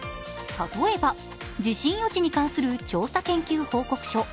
例えば地震予知に関する調査研究報告書。